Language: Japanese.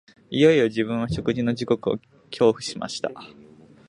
いよいよ自分は食事の時刻を恐怖しました